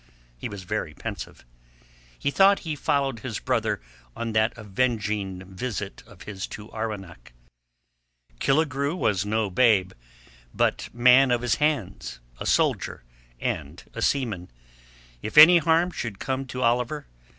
He was very pensive. In thought he followed his brother on that avenging visit of his to Arwenack. Killigrew was no babe, but man of his hands, a soldier and a seaman. If any harm should come to Oliver...